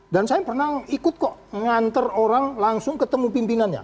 dan saya pernah ikut kok nganter orang langsung ketemu pimpinannya